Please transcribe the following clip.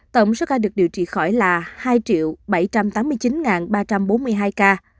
tổng số ca được điều trị khỏi là hai bảy trăm tám mươi chín ba trăm bốn mươi hai ca